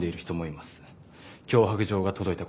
脅迫状が届いた事も。